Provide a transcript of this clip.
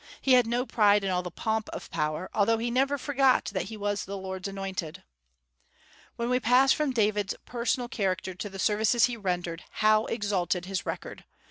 He had no pride in all the pomp of power, although he never forgot that he was the Lord's anointed. When we pass from David's personal character to the services he rendered, how exalted his record!